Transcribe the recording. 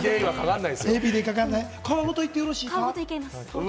皮ごといってよろしいか？